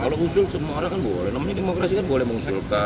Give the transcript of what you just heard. kalau usul semua orang kan boleh namanya demokrasi kan boleh mengusulkan